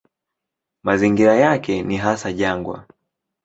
Mazingira yake ni hasa jangwa.